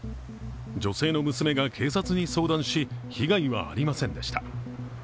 女性の娘が警察に相談し被害はありませんでした。